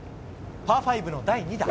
パー５の第２打。